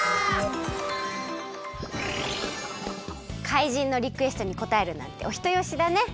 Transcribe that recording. かいじんのリクエストにこたえるなんておひとよしだね。